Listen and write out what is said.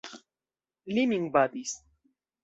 Li min batis.